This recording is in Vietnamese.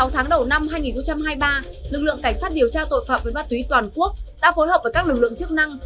sáu tháng đầu năm hai nghìn hai mươi ba lực lượng cảnh sát điều tra tội phạm về ma túy toàn quốc đã phối hợp với các lực lượng chức năng